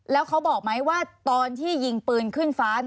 แล้วเขาบอกไหมว่าตอนที่ยิงปืนขึ้นฟ้า